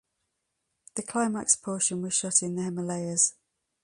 The climax portion was shot in the Himalayas.